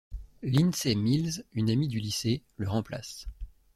Lindsey Mills, une amie du lycée, le remplace.